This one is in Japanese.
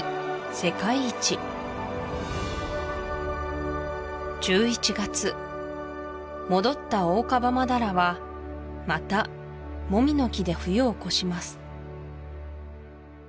世界一１１月戻ったオオカバマダラはまたもみの木で冬を越します